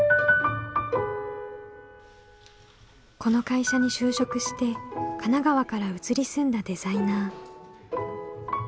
この会社に就職して神奈川から移り住んだデザイナー。